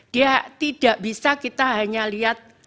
dia tidak bisa kita hanya lihat